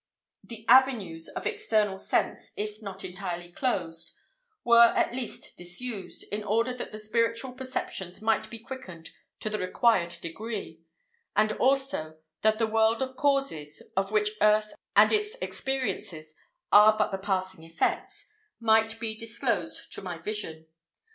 The avenues of external sense, if not entirely closed, were at least disused, in order that the spiritual perceptions might be quickened to the required degree, and also that the world of causes, of which earth and its experiences are but the passing effects, might be disclosed to my vision.